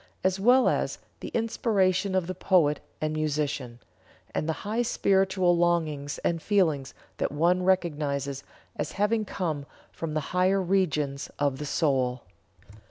as well as the inspiration of the poet and musician, and the high spiritual longings and feelings that one recognizes as having come from the higher regions of the soul.